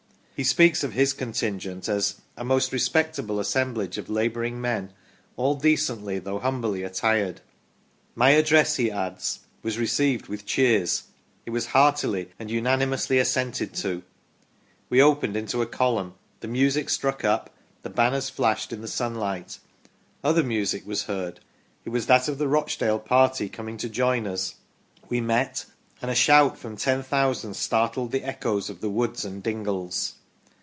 He speaks of his contingent as " a most respectable assemblage of labouring men, all decently, though humbly, attired "." My address," he adds, " was received with cheers ; it was heartily and unanimously assented to ; we opened into column the music struck up the banners flashed in the sunlight other music was heard it was that of the Rochdale party, coming to join us we met and a shout from 10,000 startled the echoes of the woods and dingles.